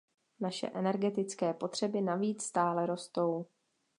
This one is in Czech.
Naše energetické potřeby navíc stále rostou.